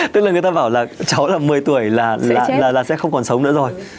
tức là người ta bảo là cháu là mười tuổi là sẽ không còn sống nữa rồi